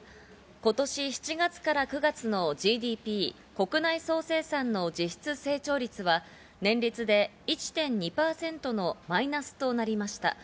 今年７月から９月のＧＤＰ＝国内総生産の実質成長率は年率で１．２％のマイナスとなりました。